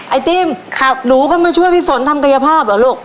ไอติมหนูก็มาช่วยพี่ฝนทำกายภาพเหรอลูก